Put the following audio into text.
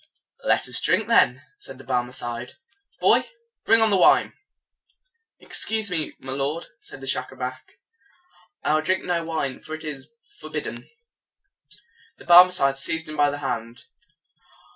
"Let us drink, then," said the Barmecide. "Boy, bring on the wine!" "Excuse me, my lord," said Schacabac, "I will drink no wine, for it is for bid den." The Barmecide seized him by the hand.